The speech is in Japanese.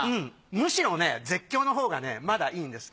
むしろね絶叫のほうがねまだいいんです。